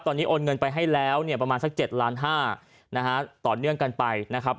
ตอนนี้โอนเงินไปให้แล้วเนี่ยประมาณสัก๗ล้านห้านะฮะต่อเนื่องกันไปนะครับ